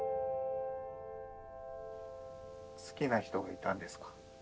好きな人がいたんですか？